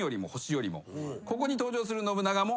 ここに登場する信長も。